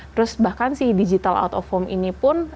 terus bahkan si digital out of home ini pun